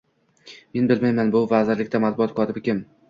Men bilmayman bu vazirlikda matbuot kotibi kim, '